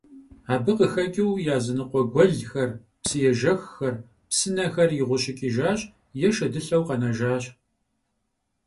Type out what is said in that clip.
Abı khıxeç'ıu yazınıkhue guelxer, psıêjjexxer, psınexer yiğuşıç'ıjjaş yê şşedılheu khenejjaş.